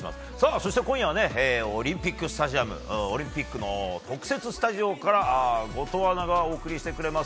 そして今夜はオリンピックスタジアムオリンピックの特設スタジオから後藤アナがお送りしてくれます。